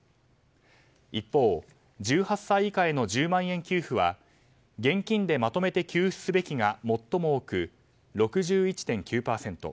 一方１８歳以下への１０万円給付は現金でまとめて給付すべきが最も多く、６１．９％。